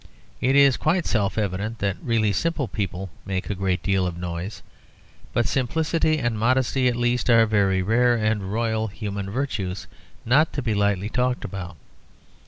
It is quite self evident that really simple people make a great deal of noise. But simplicity and modesty, at least, are very rare and royal human virtues, not to be lightly talked about.